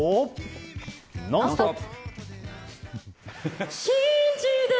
「ノンストップ！」。